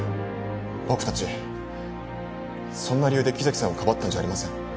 僕たちそんな理由で木崎さんをかばったんじゃありません。